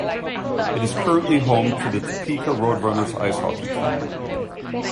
It is currently home to the Topeka Roadrunners ice hockey team.